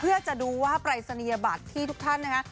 เพื่อจะดูว่าปรายศนียบัตรที่ทุกท่านนะฮะ